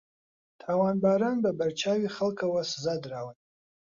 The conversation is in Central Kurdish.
تاوانباران بە بەرچاوی خەڵکەوە سزادراون